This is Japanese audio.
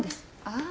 ああ。